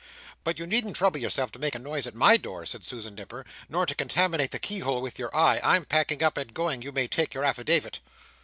"But you needn't trouble yourself to make a noise at my door," said Susan Nipper, "nor to contaminate the key hole with your eye, I'm packing up and going you may take your affidavit."